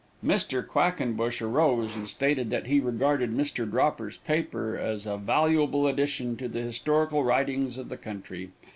Mr. Quackenbush arose, and stated that he regarded Mr. Dropper's paper as a valuable addition to the historical writings of the country.